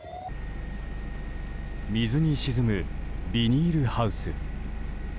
水に沈む、ビニールハウス。